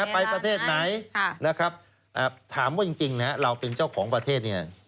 ประเทศไหนนะครับถามว่าจริงเราเป็นเจ้าของประเทศเนี่ย